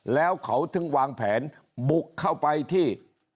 แล้วเขาถึงวางแผนบุกเข้าไปที่